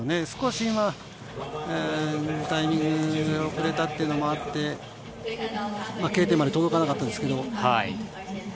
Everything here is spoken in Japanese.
少し今、タイミングが遅れたっていうのもあって、Ｋ点まで届かなかったんですけど。